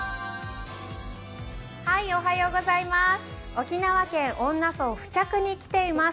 沖縄県恩納村に来ています。